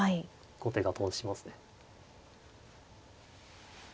後手が頓死しますね。